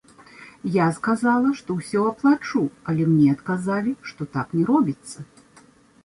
Я сказала, што ўсё аплачу, але мне адказалі, што так не робіцца.